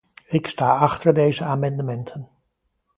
Ik sta achter deze amendementen.